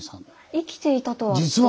「生きていたとは」。